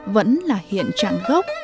vẫn là hiện trạng gốc